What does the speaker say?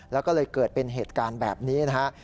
แล้วก็เลยเกิดเป็นเหตุการณ์แบบนี้นะฮะ